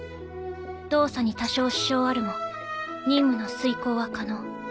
動作に多少支障あるも任務の遂行は可能。